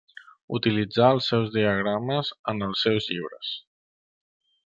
Utilitzar els seus diagrames en els seus llibres.